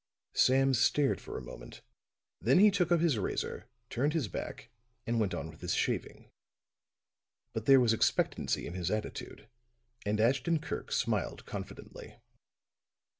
Sams stared for a moment, then he took up his razor, turned his back and went on with his shaving. But there was expectancy in his attitude; and Ashton Kirk smiled confidently.